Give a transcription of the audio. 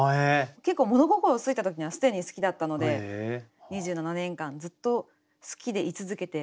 結構物心ついた時には既に好きだったので２７年間ずっと好きで居続けて。